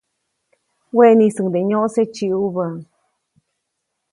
Weʼniʼisuŋde nyoʼse tsiʼubä.